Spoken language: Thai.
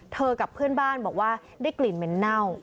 กับเพื่อนบ้านบอกว่าได้กลิ่นเหม็นเน่า